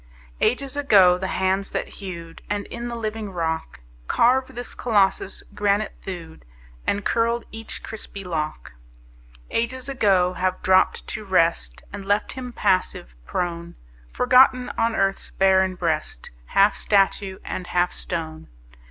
Ages ago the hands that hewed, And in the living rock Carved this Colossus, granite thewed And curled each crispy lock: Ages ago have dropped to rest And left him passive, prone, Forgotten on earth's barren breast, Half statue and half stone.